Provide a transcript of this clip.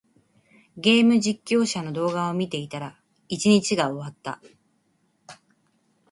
ゲーム実況者の動画を見ていたら、一日が終わった。